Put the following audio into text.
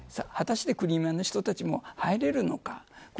果たして、クリミアの人たちも入れるのか。